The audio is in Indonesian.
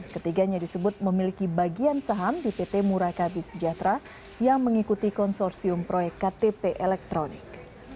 ketiganya disebut memiliki bagian saham di pt murakabi sejahtera yang mengikuti konsorsium proyek ktp elektronik